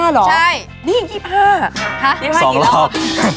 ฮะ๒๕กี่รอบสองรอบ